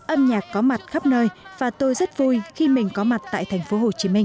âm nhạc có mặt khắp nơi và tôi rất vui khi mình có mặt tại thành phố hồ chí minh